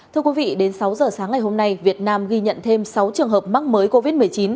thưa quý vị đến sáu giờ sáng ngày hôm nay việt nam ghi nhận thêm sáu trường hợp mắc mới covid một mươi chín